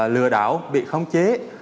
lừa đảo bị khống chế